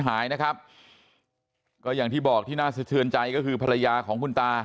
หายนะครับก็อย่างที่บอกที่น่าสะเทือนใจก็คือภรรยาของคุณตา